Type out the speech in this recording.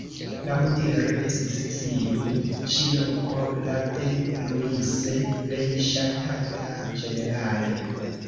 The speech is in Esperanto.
Laŭdire estis tiu ĉi loko la de Luise plej ŝatata ĝenerale.